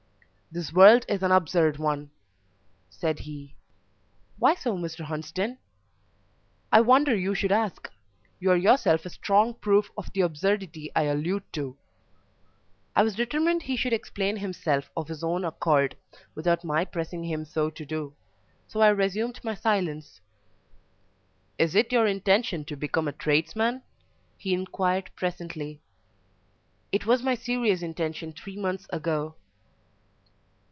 "This world is an absurd one," said he. "Why so, Mr. Hunsden?" "I wonder you should ask: you are yourself a strong proof of the absurdity I allude to." I was determined he should explain himself of his own accord, without my pressing him so to do so I resumed my silence. "Is it your intention to become a tradesman?" he inquired presently. "It was my serious intention three months ago."